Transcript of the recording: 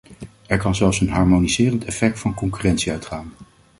Er kan zelfs een harmoniserend effect van concurrentie uitgaan.